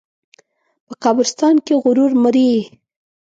په قبرستان کې غرور مري.